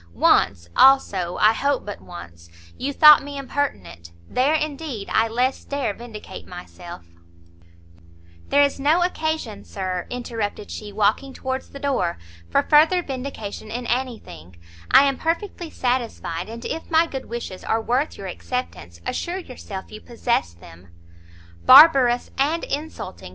Once, also I hope but once, you thought me impertinent, there, indeed, I less dare vindicate myself " "There is no occasion, Sir," interrupted she, walking towards the door, "for further vindication in any thing; I am perfectly satisfied, and if my good wishes are worth your acceptance, assure yourself you possess them." "Barbarous, and insulting!"